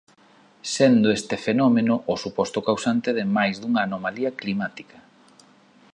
Sendo este fenómeno o suposto causante de máis dunha anomalía climática.